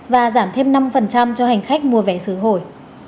và giảm thêm năm cho hành khách mua vé xứ hồi